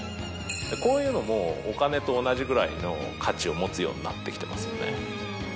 こういうのもお金と同じぐらいの価値を持つようになってきてますよね。